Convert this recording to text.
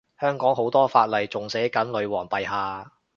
香港好多法例仲寫緊女皇陛下